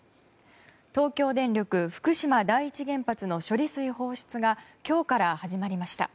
東京電力福島第一原発の処理水放出が今日から始まりました。